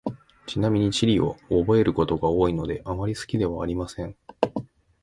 ちなみに、地理は覚えることが多いので、あまり好きではありません。